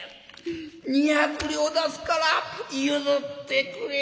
２百両出すから譲ってくれ！」。